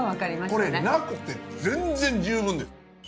これなくて全然十分です。